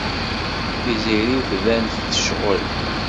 Tiziri tban-d tecɣel.